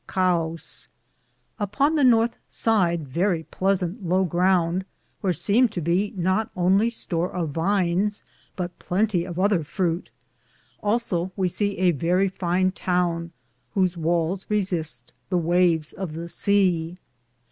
^ Upon the northe side verrie pleasante lowe grounde, wheare semed to be not only store of vines, but plentie of other frute. Also we se a verrie fine toune, whose wales Resiste the waves of the sea.